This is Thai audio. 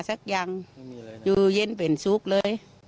สักอย่างอยู่เย็นเป็นสุขเลย